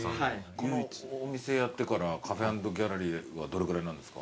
このお店やってからカフェ＆ギャラリーはどれぐらいなんですか？